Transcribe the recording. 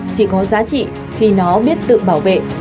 chỉ có giá trị khi nó biết tự bảo vệ